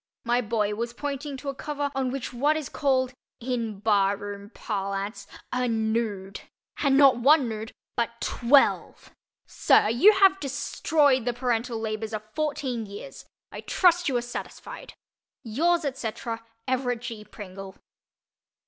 My boy was pointing to a cover on which was what is called—in barroom parlance—a "nude." And not one nude but twelve! Sir, you have destroyed the parental labors of fourteen years. I trust you are satisfied. Yours, etc., EVERETT G. PRINGLE.